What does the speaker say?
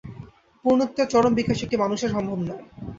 পূর্ণত্বের চরম বিকাশ একটি মানুষে সম্ভব নয়।